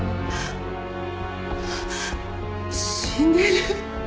死んでる。